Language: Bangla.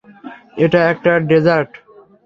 এটা একটা ডেজার্ট।